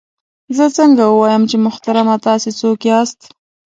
زه څنګه ووایم چې محترمه تاسې څوک یاست؟